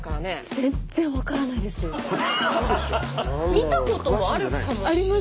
見たことはあるかも。あります。